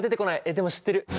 でも知ってる！